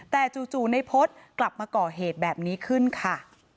แต่จู่ในพจน์กลับมาก่อเหตุแบบนี้ขึ้นค่ะ